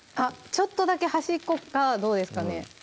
ちょっとだけ端っこ側どうですかね